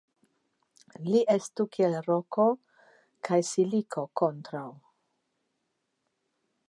Li estu kiel roko kaj siliko kontraŭ .